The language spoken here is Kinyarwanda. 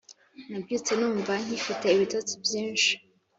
nabyutse numva nkifite ibitotsi byinshi